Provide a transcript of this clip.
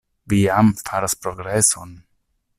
Vi jam faras progreson.